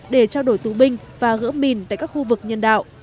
để trao đổi tù binh và gỡ mìn tại các khu vực nhân đạo